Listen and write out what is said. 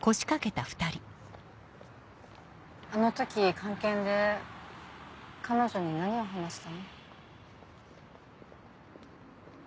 あの時菅研で彼女に何を話したの？